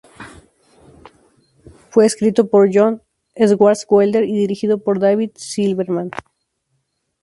Fue escrito por John Swartzwelder y dirigido por David Silverman.